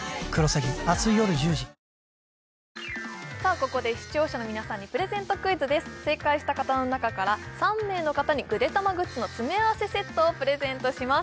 ここで視聴者の皆さんにプレゼントクイズです正解した方の中から３名の方にぐでたまグッズの詰め合わせセットをプレゼントします